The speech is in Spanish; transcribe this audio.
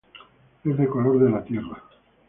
Es de color de la tierra.